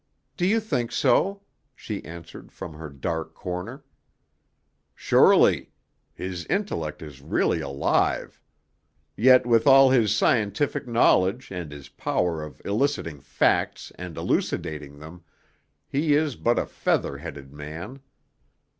"Do you think so?" she answered from her dark corner. "Surely. His intellect is really alive. Yet, with all his scientific knowledge and his power of eliciting facts and elucidating them, he is but a feather headed man."